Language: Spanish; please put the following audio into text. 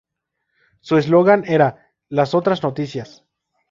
Su eslogan era "Las Otras Noticias".